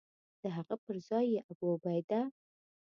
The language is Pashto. د هغه پر ځای یې ابوعبیده.